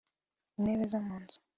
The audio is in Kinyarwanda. intebe zo mu nzu